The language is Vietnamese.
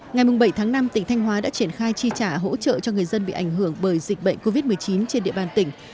ngày bảy tháng năm tỉnh thanh hóa đã triển khai chi trả hỗ trợ cho người dân bị ảnh hưởng bởi dịch bệnh covid một mươi chín trên địa bàn tỉnh